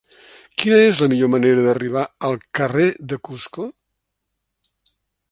Quina és la millor manera d'arribar al carrer de Cusco?